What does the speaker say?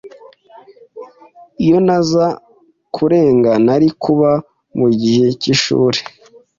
Iyo ntaza kurenga, nari kuba mugihe cyishuri.